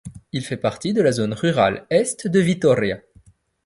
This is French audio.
Il fait partie de la Zone Rurale Est de Vitoria.